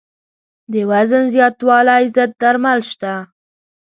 د وزن زیاتوالي ضد درمل شته.